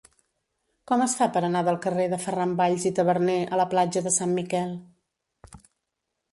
Com es fa per anar del carrer de Ferran Valls i Taberner a la platja de Sant Miquel?